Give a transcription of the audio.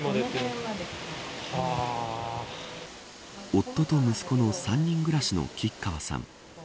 夫と息子の３人暮らしの吉川さん。